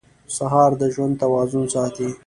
سهار د ژوند توازن ساتي.